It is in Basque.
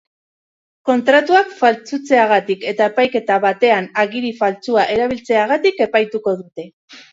Kontratuak faltsutzeagatik eta epaiketa batean agiri faltsua erabiltzeagatik epaituko dute.